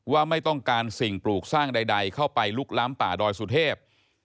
ไม่ต้องการสิ่งปลูกสร้างใดเข้าไปลุกล้ำป่าดอยสุเทพ